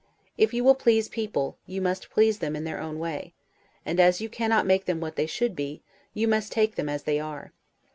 If you will please people, you must please them in their own way; and, as you cannot make them what they should be, you must take them as they are.